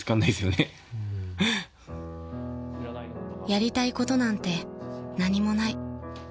［やりたいことなんて何もない］